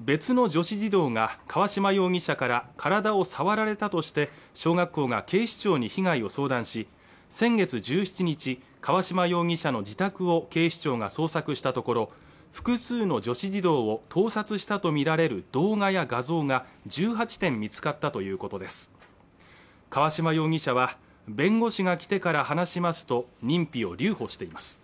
別の女子児童が河嶌容疑者から体を触られたとして小学校が警視庁に被害を相談し先月１７日河嶌容疑者の自宅を警視庁が捜索したところ複数の女子児童を盗撮したと見られる動画や画像が１８点見つかったということです河嶌容疑者は弁護士が来てから話しますと認否を留保しています